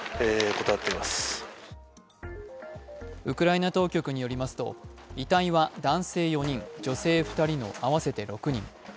ウクライナ当局によりますと、遺体は男性４人、女性２人の合わせて６人。